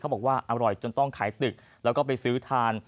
บอกว่าอร่อยจนต้องขายตึกแล้วก็ไปซื้อทาน